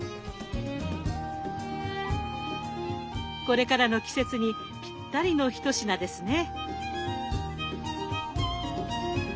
これからの季節にぴったりの一品ですね。